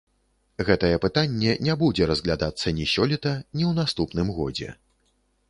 Гэтае пытанне не будзе разглядацца ні сёлета, ні ў наступным годзе.